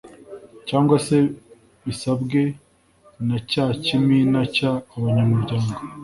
cyanga se bisabwe na cya kimina cy abanyamuryango